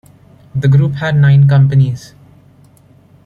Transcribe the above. The Group had nine companies.